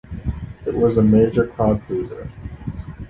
It was a major crowd pleaser.